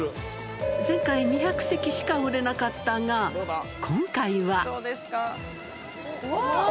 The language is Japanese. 前回、２００席しか売れなかったが、今回は。